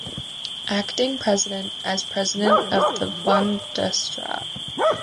Acting President, as President of the Bundesrat.